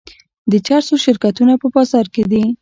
د چرسو شرکتونه په بازار کې دي.